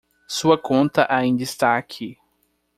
Sua conta ainda está aqui.